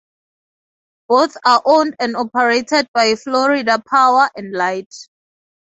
Both are owned and operated by Florida Power and Light.